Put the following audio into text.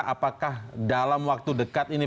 apakah dalam waktu dekat ini